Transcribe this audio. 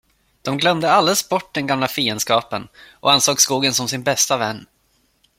De glömde alldeles bort den gamla fiendskapen och ansåg skogen som sin bästa vän.